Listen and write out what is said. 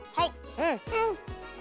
うん。